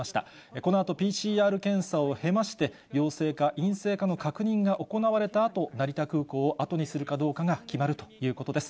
このあとＰＣＲ検査を経まして、陽性か陰性かの確認が行われたあと、成田空港を後にするかどうかが決まるということです。